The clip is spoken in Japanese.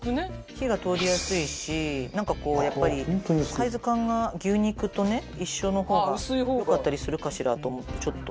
火が通りやすいしなんかこうやっぱりサイズ感が牛肉とね一緒の方がよかったりするかしら？と思ってちょっと。